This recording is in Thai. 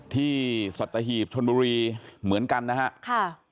สัตหีบชนบุรีเหมือนกันนะฮะค่ะ